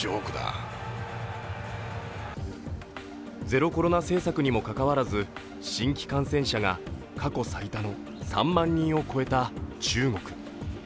ゼロコロナ政策にもかかわらず、新規感染者が過去最多の３万人を超えた中国。